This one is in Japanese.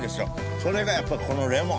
それがやっぱこのレモン。